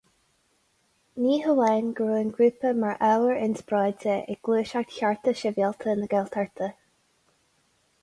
Ní hamháin go raibh an an grúpa mar ábhar inspioráide ag Gluaiseacht Chearta Sibhialta na Gaeltachta.